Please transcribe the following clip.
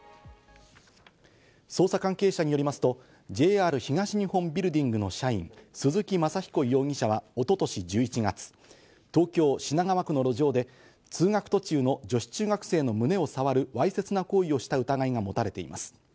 捜査関係者によりますとＪＲ東日本ビルディングの社員・鈴木正彦容疑者は一昨年１１月、東京・品川区の路上で通学途中の女子中学生の胸をさわる、わいせつな行為をした疑いが持たれています。